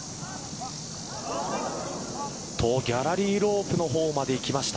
ギャラリーロープの方までいきました。